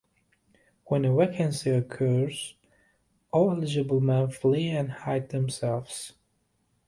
When a vacancy occurs, all eligible men flee and hide themselves.